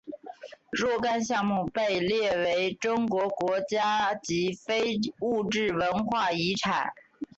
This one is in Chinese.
若干项目被列入中国国家级非物质文化遗产。